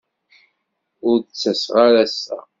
Ur d-ttaseɣ ara assa.